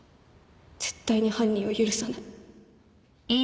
絶対に犯人を許さない